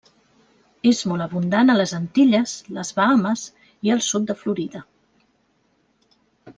És molt abundant a les Antilles, les Bahames i el sud de Florida.